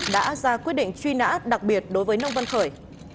đã ra quyết định truy nã đặc biệt đối với nông văn khởi